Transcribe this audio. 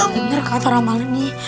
bener kata ramalan nih